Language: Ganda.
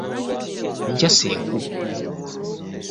Njasa enku.